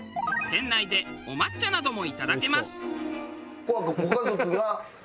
店内でお抹茶などもいただけます。